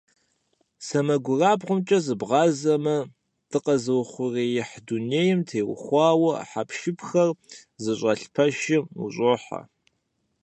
СэмэгурабгъумкӀэ бгъазэмэ, дыкъэзыухъуреихь дунейм теухуа хьэпшыпхэр зыщӏэлъ пэшым ущӀохьэ.